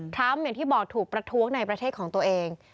อย่างที่บอกถูกประท้วงในประเทศของตัวเอง